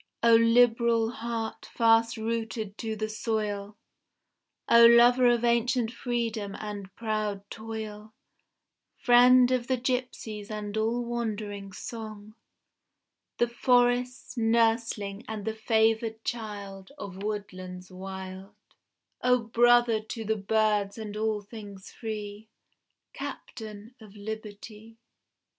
O liberal heart fast rooted to the soil, O lover of ancient freedom and proud toil, Friend of the gipsies and all wandering song, The forest's nursling and the favoured child Of woodlands wild O brother to the birds and all things free, Captain of liberty!